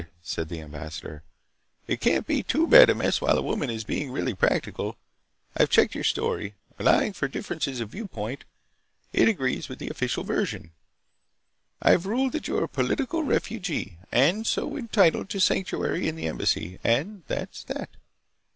said the ambassador. "It can't be too bad a mess while a woman is being really practical. I've checked your story. Allowing for differences of viewpoint, it agrees with the official version. I've ruled that you are a political refugee, and so entitled to sanctuary in the Embassy. And that's that."